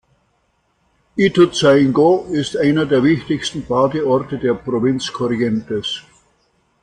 Ituzaingó ist einer der wichtigsten Badeorte der Provinz Corrientes.